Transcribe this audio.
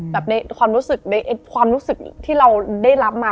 แบบในความรู้สึกที่เราได้รับมา